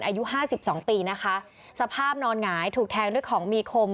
อายุ๕๒ปีนะคะสภาพนอนหงายถูกแทงด้วยของมีคม